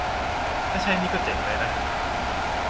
ถ้าใช่นี่ก็เจ๋งเลยนะ